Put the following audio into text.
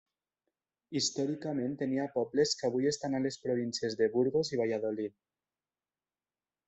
Històricament tenia pobles que avui estan a les províncies de Burgos i Valladolid.